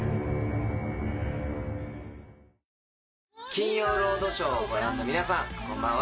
『金曜ロードショー』をご覧の皆さんこんばんは。